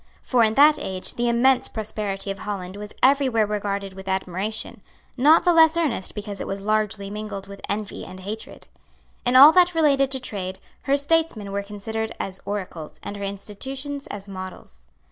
For in that age the immense prosperity of Holland was every where regarded with admiration, not the less earnest because it was largely mingled with envy and hatred. In all that related to trade, her statesmen were considered as oracles, and her institutions as models.